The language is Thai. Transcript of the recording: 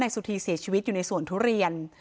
สุธีเสียชีวิตอยู่ในสวนทุเรียน